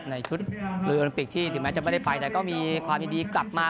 ในชุดลุยโอลิมปิกที่ถึงแม้จะไม่ได้ไปแต่ก็มีความยินดีกลับมา